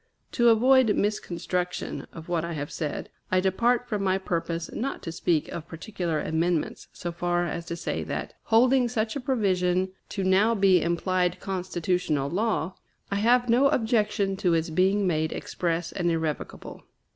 To avoid misconstruction of what I have said, I depart from my purpose not to speak of particular amendments, so far as to say that, holding such a provision to now be implied constitutional law, I have no objection to its being made express and irrevocable.